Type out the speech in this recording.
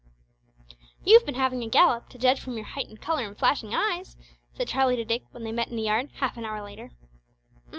"You've been having a gallop, to judge from your heightened colour and flashing eyes," said Charlie to Dick when they met in the yard, half an hour later.